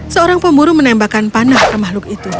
seorang pemburu menembakkan panah ke makhluk itu